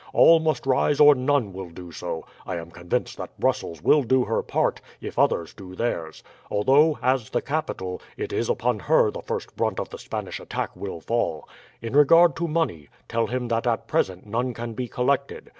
All must rise or none will do so. I am convinced that Brussels will do her part, if others do theirs; although, as the capital, it is upon her the first brunt of the Spanish attack will fall. In regard to money, tell him that at present none can be collected.